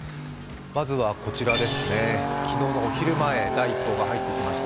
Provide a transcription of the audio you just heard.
まずはこちらです、昨日のお昼前、第一報が入ってきました。